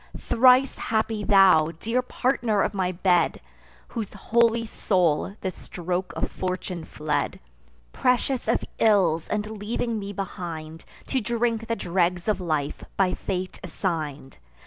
Thrice happy thou, dear partner of my bed, Whose holy soul the stroke of Fortune fled, Prescious of ills, and leaving me behind, To drink the dregs of life by fate assign'd!